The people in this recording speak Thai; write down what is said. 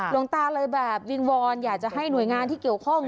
หลวงตาเลยแบบวิงวอนอยากจะให้หน่วยงานที่เกี่ยวข้อง